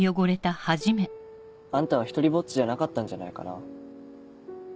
あんたは独りぼっちじゃなかったんじゃないかな？